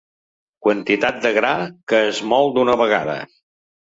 Quantitat de gra que es mol d'una vegada.